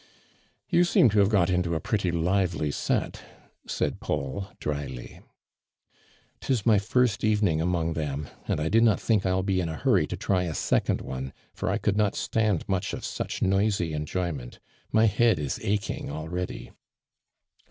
"You seem to have got i^ito a pretty lively set," said Paul, drily. "'TIs my first evening among them, and I do not think I'll be in a huny to try a second one, for I could such noisy enjoyment, already."